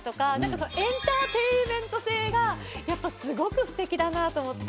そのエンターテインメント性がやっぱすごく素敵だなと思って。